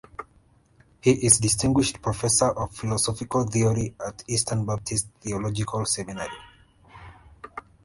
He is Distinguished Professor of Philosophical Theology at Eastern Baptist Theological Seminary.